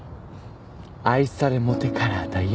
愛されモテカラーだよ。